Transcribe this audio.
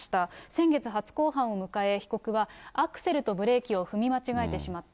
先月、初公判を迎え、被告は、アクセルとブレーキを踏み間違えてしまった。